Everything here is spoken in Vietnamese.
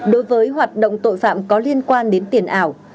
đối với hoạt động tội phạm có liên quan đến tiền ảo